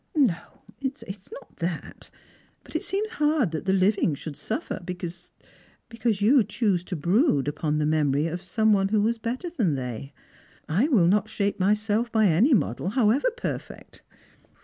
" No, it is not that; but it seems hard that the living should Buffer because — because you choose to brood upon the memory of some one who was better than they. I will not shape myself by any model, however perfect.